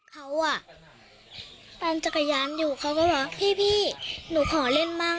เขาอ่ะปั่นจักรยานอยู่เขาก็บอกพี่หนูขอเล่นบ้าง